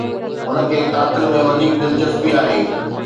هن کي قاتل ۾ وڌيڪ دلچسپي آهي.